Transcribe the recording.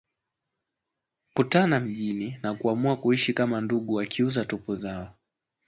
kutana mjini na kuamua kuishi kama ndugu wakiuza tupu zao